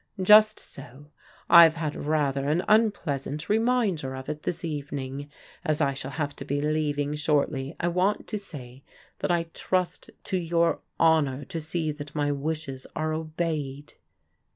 Just so. I've had rather an unpleasant reminder of it this evening. As I shall have to be leaving shortly, I 5vant to say that I trust to your honour to see that my wishes are obeyed."